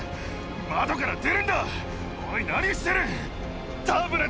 窓から出るんだ、おい、何してる！